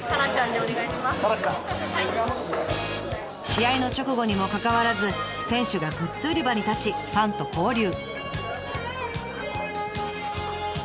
試合の直後にもかかわらず選手がグッズ売り場に立ちファンと交流。